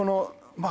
まあ